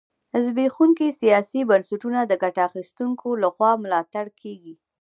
زبېښونکي سیاسي بنسټونه د ګټه اخیستونکو لخوا ملاتړ کېږي.